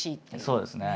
そうですね。